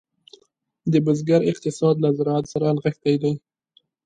د بزګر اقتصاد له زراعت سره نغښتی دی.